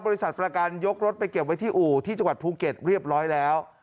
ประกันยกรถไปเก็บไว้ที่อู่ที่จังหวัดภูเก็ตเรียบร้อยแล้ว